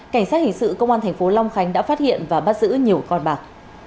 cảnh sát hình sự công an thành phố long khánh đã phát hiện và bắt giữ nhiều con bạc